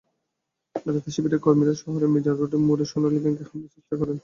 রাতে শিবিরের কর্মীরা শহরের মিজান রোডের মোড়ে সোনালী ব্যাংকে হামলার চেষ্টা করেন।